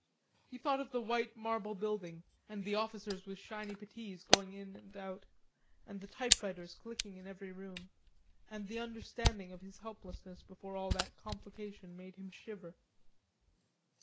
He thought of the white marble building and the officers with shiny puttees going in and out, and the typewriters clicking in every room, and the understanding of his helplessness before all that complication made him shiver.